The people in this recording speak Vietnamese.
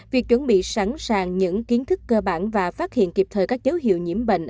việc chuẩn bị sẵn sàng những kiến thức cơ bản và phát hiện kịp thời các dấu hiệu nhiễm bệnh